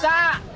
ya ampun pak